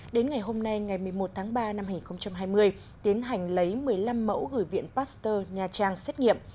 đến ngày hôm nay ngày một mươi một tháng ba năm hai nghìn hai mươi tiến hành lấy một mươi năm mẫu gửi viện pasteur nha trang xét nghiệm